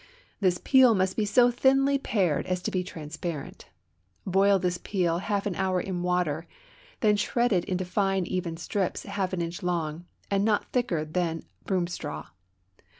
This peel must be so thinly pared as to be transparent. Boil this peel half an hour in water, then shred it into fine even strips half an inch long, and not thicker than broom straw.